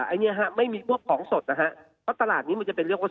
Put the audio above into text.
อันนี้ฮะไม่มีพวกของสดนะฮะเพราะตลาดนี้มันจะเป็นเรียกว่า